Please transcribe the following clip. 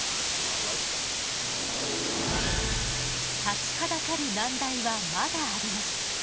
立ちはだかる難題はまだあります。